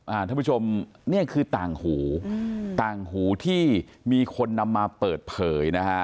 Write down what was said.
ท่านผู้ชมเนี่ยคือต่างหูอืมต่างหูที่มีคนนำมาเปิดเผยนะฮะ